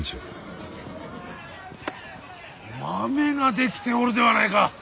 マメが出来ておるではないか。